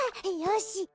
よし！